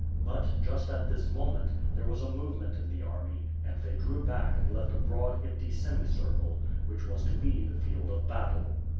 But, just at this moment, there was a movement in the army; and they drew back and left a broad empty semicircle, which was to be the field of battle.